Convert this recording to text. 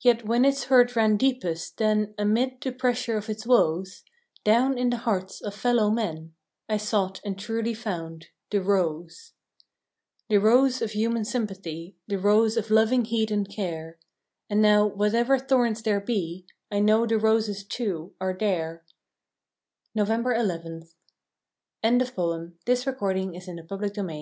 Yet when its hurt ran deepest, then Amid the pressure of its woes Down in the hearts of fellow men I sought and truly found the rose! The rose of human sympathy, The rose of loving heed and care, And now whatever thorns there be I know the roses, too, are there, November Eleventh THE SCHOOL OF LIFE A CHAP I knew he was no fool ^ Re